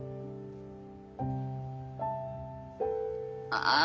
ああ！